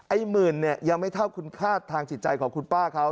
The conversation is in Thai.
หมื่นเนี่ยยังไม่เท่าคุณค่าทางจิตใจของคุณป้าเขา